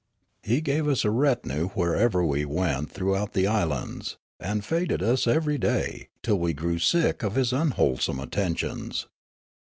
He gave us a retinue wherever we went throughout the islands, and feted us every day, till we grew sick of his unwholesome attentions.